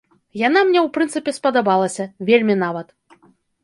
Яна мне ў прынцыпе спадабалася, вельмі нават.